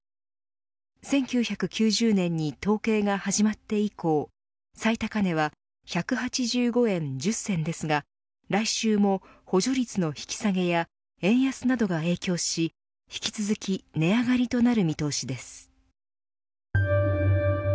１９９０年に統計が始まって以降最高値は１８５円１０銭ですが来週も補助率の引き下げや円安などが影響し引き続き値上がりとなる見通しです。